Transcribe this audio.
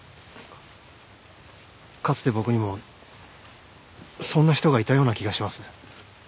かつて僕にもそんな人がいたような気がします。